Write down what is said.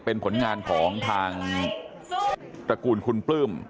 เป็นผลงานของทางตระกูลคุณปลื้ม